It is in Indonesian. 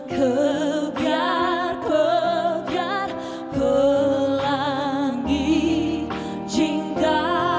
kebiar kebiar pelangi cinta